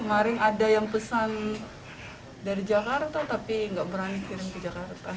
kemarin ada yang pesan dari jakarta tapi nggak berani kirim ke jakarta